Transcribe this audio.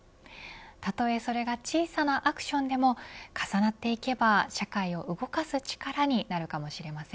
たとえそれが小さなアクションでも重なっていけば社会を動かす力になるかもしれません。